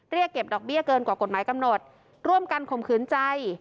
เรียกเก็บดอกเบี้ยเกินกว่ากฎหมายกำหนดร่วมกันข่มขืนใจ